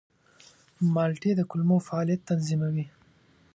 مالټې د کولمو فعالیت تنظیموي.